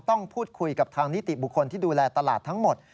ต้องพูดคุยกับทางนิติบุคคลที่ดูแลตลาดทั้งหมด